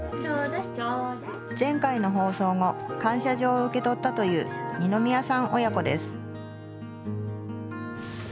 前回の放送後感謝状を受け取ったという二宮さん親子です。